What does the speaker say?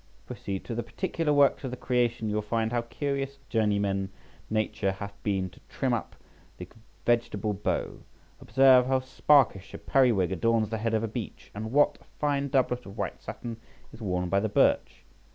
Proceed to the particular works of the creation, you will find how curious journeyman Nature hath been to trim up the vegetable beaux; observe how sparkish a periwig adorns the head of a beech, and what a fine doublet of white satin is worn by the birch.